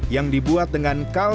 yang dibuat dengan nasi yang terkenal